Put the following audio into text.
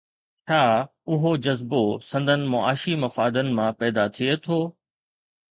ڇا اهو جذبو سندن معاشي مفادن مان پيدا ٿيو آهي؟